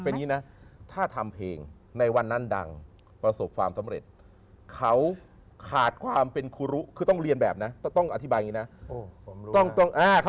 เป็นอย่างนี้นะถ้าทำเพลงในวันนั้นดังประสบความสำเร็จเขาขาดความเป็นครูรุคือต้องเรียนแบบนะต้องอธิบายอย่างนี้นะ